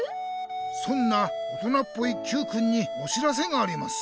そんな大人っぽいＱくんにお知らせがあります。